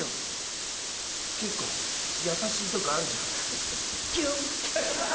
結構優しいとこあるじゃんキュン！